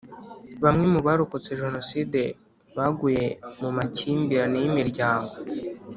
bamwe mu barokotse Jenoside baguye mu makimbirane y’imiryango